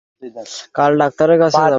কাল ডাক্তারের কাছে যাব।